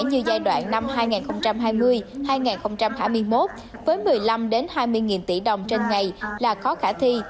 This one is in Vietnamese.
như giai đoạn năm hai nghìn hai mươi hai nghìn hai mươi một với một mươi năm hai mươi tỷ đồng trên ngày là khó khả thi